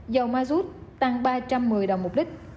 dầu mazut tăng ba trăm một mươi đồng một lít